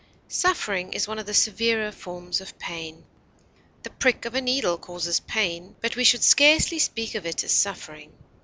Suffering is one of the severer forms of pain. The prick of a needle causes pain, but we should scarcely speak of it as suffering.